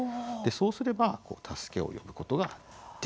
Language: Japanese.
そうすれば助けを呼ぶことができるんです。